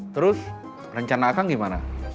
terus rencana kang gimana